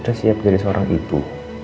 sudah siap jadi seorang ibu